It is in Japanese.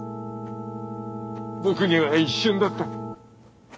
僕には一瞬だった。